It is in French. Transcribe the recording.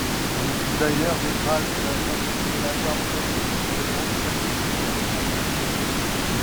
On y trouve d'ailleurs des traces de la voie romaine reliant Château-Chinon à Vézelay.